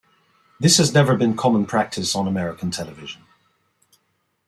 This has never been common practice on American television.